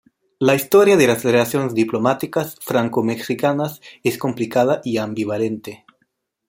La historia de las relaciones diplomáticas franco-mexicanas es complicada y ambivalente.